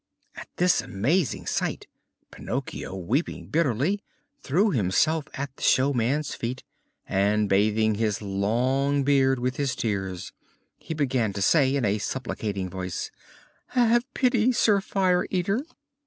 At this agonizing sight Pinocchio, weeping bitterly, threw himself at the showman's feet and, bathing his long beard with his tears, he began to say, in a supplicating voice: "Have pity, Sir Fire Eater!"